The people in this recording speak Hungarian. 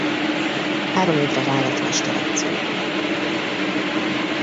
Három évre rá lett mesteredző.